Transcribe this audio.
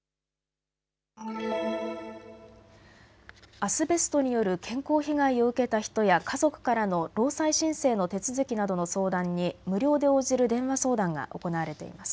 アスベストによる健康被害を受けた人や家族からの労災申請の手続きなどの相談に無料で応じる電話相談が行われています。